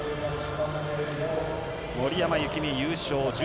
森山幸美、優勝。